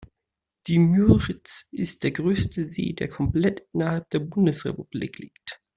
Die Müritz ist der größte See, der komplett innerhalb der Bundesrepublik liegt.